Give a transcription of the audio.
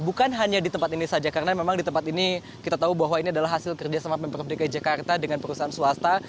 bukan hanya di tempat ini saja karena memang di tempat ini kita tahu bahwa ini adalah hasil kerjasama pemprov dki jakarta dengan perusahaan swasta